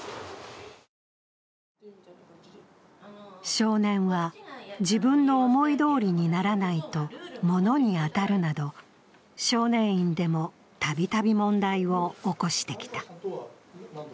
少年は、自分の思いどおりにならないと物に当たるなど少年院でも、たびたび問題を起こしてきた。